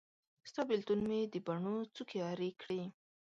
ستا بیلتون مې د بڼو څوکي ارې کړې